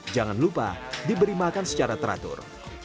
jangan lupa diberi makan secara teratur